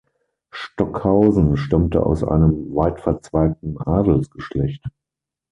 Stockhausen stammte aus einem weitverzweigten Adelsgeschlecht.